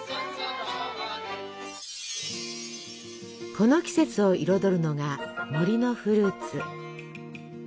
この季節を彩るのが森のフルーツ。